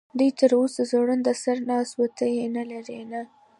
دی تراوسه ځوړند سر ناست و، ته یې نه لرې؟ نه.